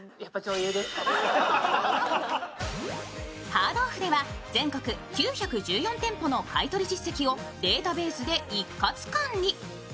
ハードオフでは全国９１４店舗の買い取り実績をデータベースで一括管理。